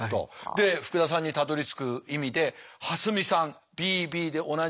で福田さんにたどりつく意味で蓮見さんＢＢで同じでも合格。